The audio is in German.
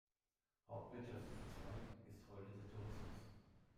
Hauptwirtschaftszweig ist heute der Tourismus.